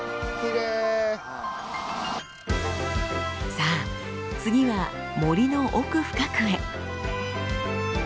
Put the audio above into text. さあ次は森の奥深くへ。